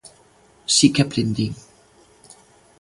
Si que aprendín.